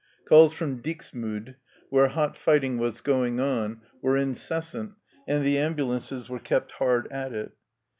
Calls from Dix mude, where hot fighting was going on, were incessant, and the ambulances were kept hard at it.